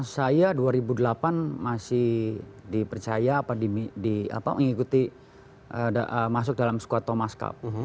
saya dua ribu delapan masih dipercaya mengikuti masuk dalam squad thomas cup